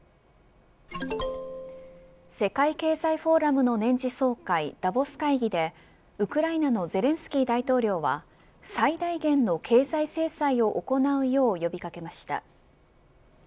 世界経済フォーラムの年次総会ダボス会議でウクライナのゼレンスキー大統領は最大限の経済制裁を行うよう呼び掛けました。